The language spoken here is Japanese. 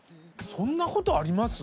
そんなことあります？